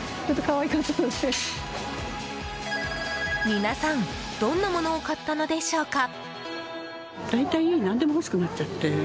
皆さんどんなものを買ったのでしょうか。